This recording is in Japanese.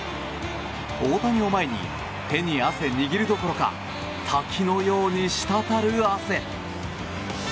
大谷を前に手に汗握るどころか滝のようにしたたる汗。